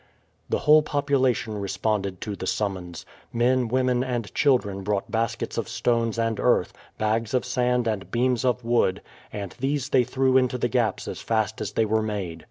The whole population responded to the summons. Men, women, and children brought baskets of stones and earth, bags of sand and beams of wood, and these they threw into the gaps as fast as they were made.